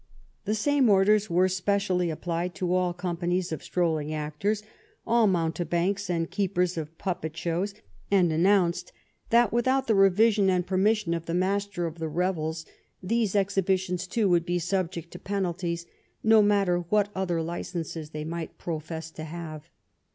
The stmie orders were specially applied to all companies of stroll ing actors, all mountebanks, and keepers of puppet shows, and announced that, without the revision and 194 i THE TRIVIAL ROUND— THE COMMON TASK" the permission of the Master of the Revels, these ex hibitions, too, would be subject to penalties, no matter what other licenses they might profess to have.